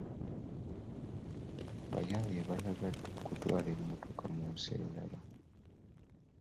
Abayaaye baayagadde okutwala emmotoka mu nsi endala.